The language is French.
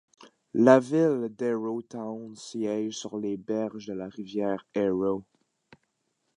La ville d’Arrowtown siège sur les berges de la rivière Arrow.